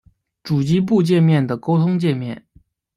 主机埠介面的沟通介面。